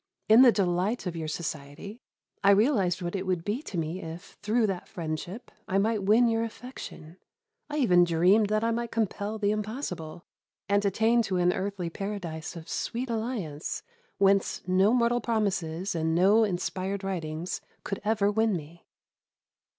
In the delight of your society I realised what it would be to me if, through that friendship, I might win your affection. I even dreamed that I might compel the impossible, and attain to an earthly paradise of sweet alliance whence no mortal promises and no inspired writings could ever win me.